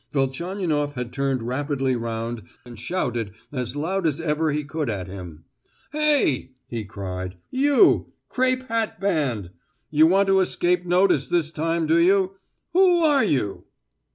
Velchaninoff had turned rapidly round and shouted as loud as ever he could at him. "Hey!" he cried. "You! Crape hatband! You want to escape notice this time, do you? Who are you?"